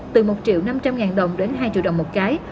từ một triệu năm trăm linh ngàn đồng đến hai triệu đồng một cái